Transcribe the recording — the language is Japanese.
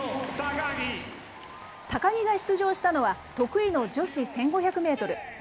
高木が出場したのは、得意の女子１５００メートル。